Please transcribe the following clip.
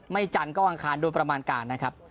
จันทร์ก็อังคารโดยประมาณการนะครับ